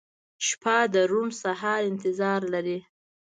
• شپه د روڼ سهار انتظار لري.